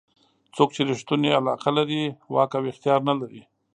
څوک چې ریښتونې علاقه لري واک او اختیار نه لري.